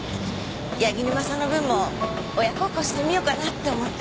柳沼さんの分も親孝行してみようかなって思って。